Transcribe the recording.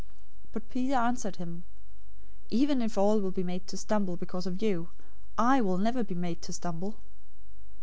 026:033 But Peter answered him, "Even if all will be made to stumble because of you, I will never be made to stumble."